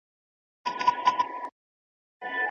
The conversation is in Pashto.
د زلفو په ځنګل كي